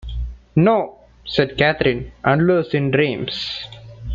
‘No,’ said Catherine; ‘unless in dreams'.